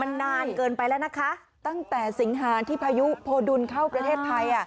มันนานเกินไปแล้วนะคะตั้งแต่สิงหาที่พายุโพดุลเข้าประเทศไทย